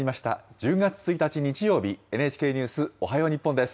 １０月１日日曜日、ＮＨＫニュースおはよう日本です。